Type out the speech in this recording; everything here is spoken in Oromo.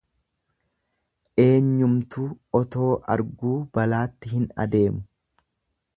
Eenyumtuu otoo arguu balaatti hin adeemu.